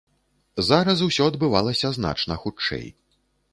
Зараз усё адбывалася значна хутчэй.